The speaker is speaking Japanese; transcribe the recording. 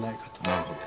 なるほど。